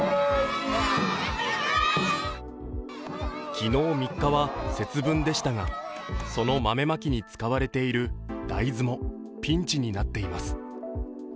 昨日３日は節分でしたがその豆まきに使われている大豆もピンチになっています。